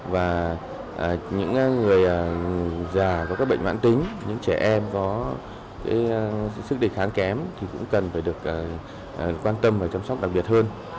và những người già có các bệnh mãn tính những trẻ em có sức đề kháng kém thì cũng cần phải được quan tâm và chăm sóc đặc biệt hơn